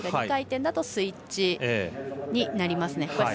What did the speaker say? ２回転だとスイッチになりますね。